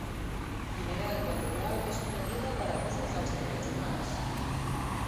Guinea Equatorial és coneguda per abusos als drets humans.